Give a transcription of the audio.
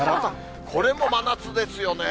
これも真夏ですよね。